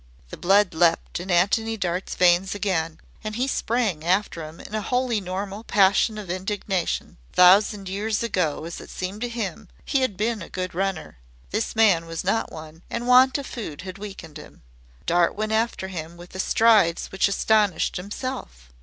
The blood leaped in Antony Dart's veins again and he sprang after him in a wholly normal passion of indignation. A thousand years ago as it seemed to him he had been a good runner. This man was not one, and want of food had weakened him. Dart went after him with strides which astonished himself.